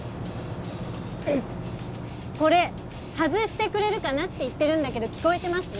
これ外してくれるかなって言ってるんだけど聞こえてます？